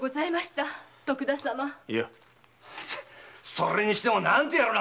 それにしても何て野郎だ。